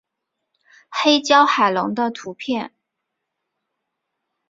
黑胶海龙的图片